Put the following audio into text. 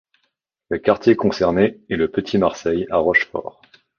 Le quartier concerné est le Petit Marseille à Rochefort.